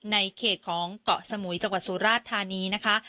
ในเขตของเกาะสมุยจังหวัดสุราชธานีนะคะ